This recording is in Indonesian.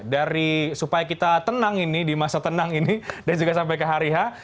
dari supaya kita tenang ini di masa tenang ini dan juga sampai ke hari h